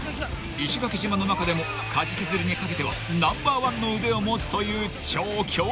［石垣島の中でもカジキ釣りにかけてはナンバーワンの腕を持つという超強力な助っ人］